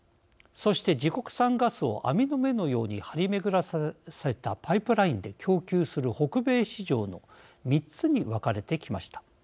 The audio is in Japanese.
そして、自国産ガスを網の目のように張り巡らされたパイプラインで供給する北米市場の３つに分かれてきました。